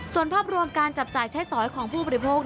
ส่วนภาพรวมการจับจ่ายใช้สอยของผู้บริโภค